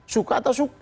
suka atau suka